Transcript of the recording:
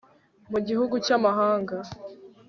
mu gihugu cy'amahanga